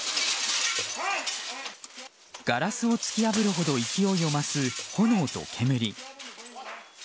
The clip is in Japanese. ガラスを突き破るほど勢いを増す炎と煙。